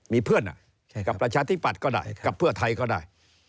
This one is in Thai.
มีเพื่อนกับประชาธิปัตย์ก็ได้กับเพื่อไทยก็ได้